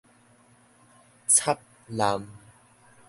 插濫